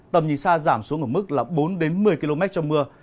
tầm nhìn xa giảm xuống ở mức là bốn đến một mươi km trong mưa